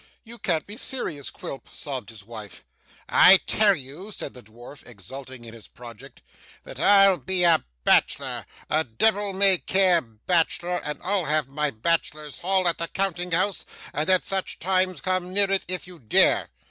'You can't be serious, Quilp,' sobbed his wife. 'I tell you,' said the dwarf, exulting in his project, 'that I'll be a bachelor, a devil may care bachelor; and I'll have my bachelor's hall at the counting house, and at such times come near it if you dare.